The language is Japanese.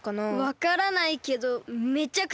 わからないけどめちゃくちゃつよかったね。